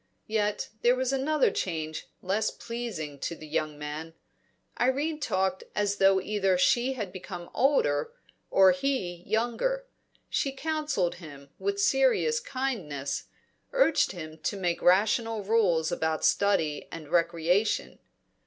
Yet there was another change less pleasing to the young man; Irene talked as though either she had become older, or he younger. She counselled him with serious kindness, urged him to make rational rules about study and recreation.